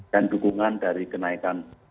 dan dukungan dari kenaikan